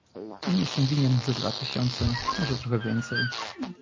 "Im jestem winien ze dwa tysiące, może trochę więcej..."